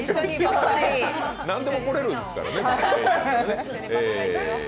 何でも来れるんですからね。